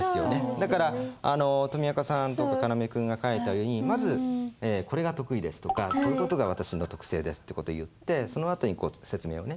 だからとみあかさんとかかなめ君が書いたようにまずこれが得意ですとかこういう事が私の特性ですって事を言ってその後に説明をね